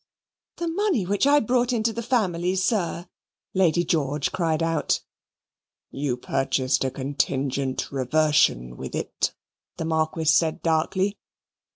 "The money which I brought into the family, sir," Lady George cried out "You purchased a contingent reversion with it," the Marquis said darkly.